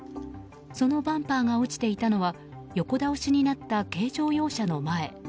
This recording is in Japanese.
そのバンパーが落ちていたのは横倒しになった軽乗用車の前。